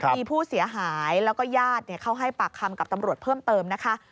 มีผู้เสียหายแล้วก็ญาติเขาให้ปากคำกับตำรวจเพิ่มเติมนะคะ